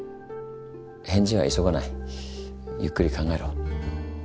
返事は急がないゆっくり考えろ。